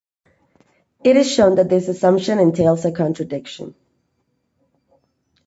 It is shown that this assumption entails a contradiction.